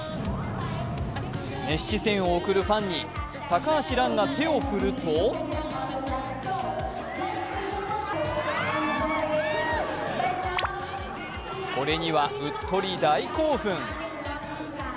熱視線を送るファンに高橋藍が手を振るとこれにはうっとり大興奮。